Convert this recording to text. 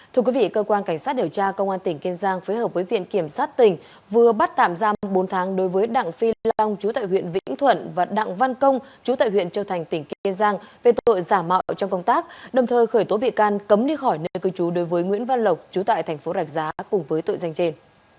thưa quý vị cơ quan cảnh sát điều tra công an tỉnh kiên giang phối hợp với viện kiểm sát tỉnh vừa bắt tạm giam bốn tháng đối với đặng phi long chú tại huyện vĩnh thuận và đặng văn công chú tại huyện châu thành tỉnh kiên giang về tội giả mạo trong công tác đồng thời khởi tố bị can cấm đi khỏi nơi cư trú đối với nguyễn văn lộc chú tại thành phố rạch giá cùng với tội danh trên